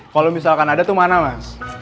kalau misalkan ada tuh mana mas